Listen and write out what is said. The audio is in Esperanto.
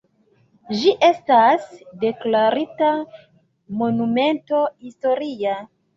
Ĝi estas deklarita monumento historia.